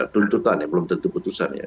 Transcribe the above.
tuntutan yang belum tentu putusannya